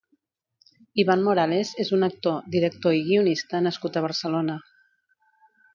Iván Morales és un actor, director i guionista nascut a Barcelona.